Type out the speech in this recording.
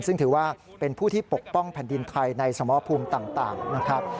ซึ่งถือว่าเป็นผู้ที่ปกป้องแผ่นดินไทยในสมภูมิต่างนะครับ